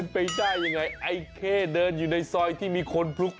ไปได้ยังไงไอ้เข้เดินอยู่ในซอยที่มีคนพลุก